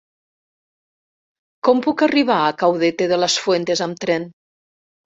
Com puc arribar a Caudete de las Fuentes amb tren?